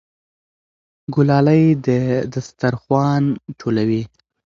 ګلالۍ دسترخوان ټولوي.